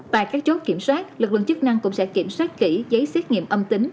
tại các chốt kiểm soát lực lượng chức năng cũng sẽ kiểm soát kỹ giấy xét nghiệm âm tính